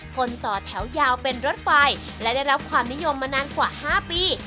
คนต่อแถวยาวเป็นรถไฟและได้รับความนิยมมานานกว่า๕ปี